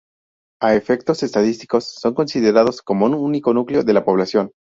A efectos estadísticos son considerados como un único núcleo de población.